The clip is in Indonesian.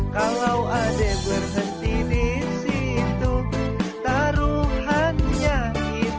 kalau ade berhenti di situ taruhannya ini